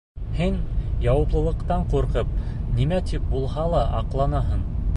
Һин, яуаплылыҡтан ҡурҡып, нимә тип булһа ла аҡланаһың.